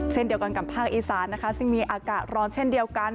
เช่นเดียวกันกับภาคอีสานนะคะซึ่งมีอากาศร้อนเช่นเดียวกัน